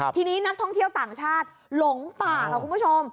ทีนี้นักท่องเที่ยวต่างชาติหลงป่าค่ะคุณผู้ชม